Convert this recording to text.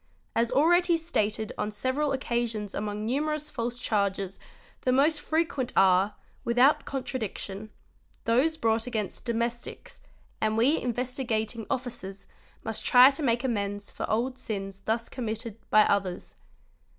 As already stated on several occasions among numerous false charges the most frequent are, without contradiction, those brought against domes ' tics, and we Investigating Officers must try to make amends for old sins thus committed by others.